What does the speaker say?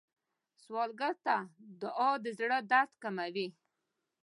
سوالګر ته دعا د زړه درد کموي